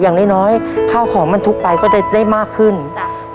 อย่างน้อยน้อยข้าวของบรรทุกไปก็จะได้มากขึ้นจ้ะ